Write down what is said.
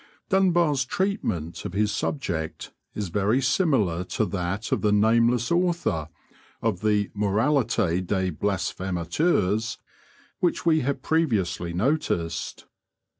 Dunbar's treatment of his subject is very similar to that of the nameless author of the 'Moralité des Blasphémateurs' which we have previously noticed.